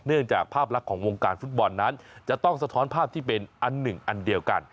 จากภาพลักษณ์ของวงการฟุตบอลนั้นจะต้องสะท้อนภาพที่เป็นอันหนึ่งอันเดียวกัน